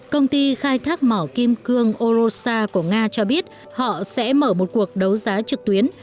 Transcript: công ty khai thác mỏ kim cương orosa của nga cho biết họ sẽ mở một cuộc đấu giá trực tuyến